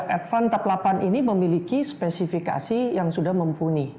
advan tep delapan ini memiliki spesifikasi yang sudah mempunyai